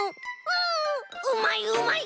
うんうまいうまい！